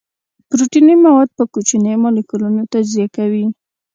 پروتیني مواد په کوچنیو مالیکولونو تجزیه کوي.